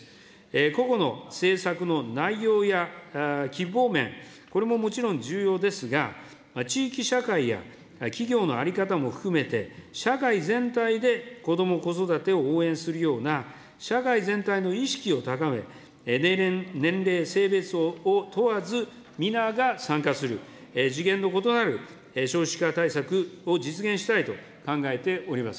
個々の政策の内容や規模面、これももちろん重要ですが、地域社会や企業の在り方も含めて、社会全体でこども・子育てを応援するような社会全体の意識を高め、年齢・性別を問わず、皆が参加する、次元の異なる少子化対策を実現したいと考えております。